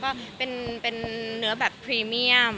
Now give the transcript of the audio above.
ก็เป็นเนื้อแบบพรีเมียม